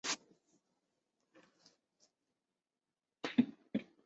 从此开始刘太后十一年的垂帘听政时代。